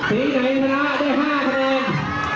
สีใสสันะได้๕เสมอ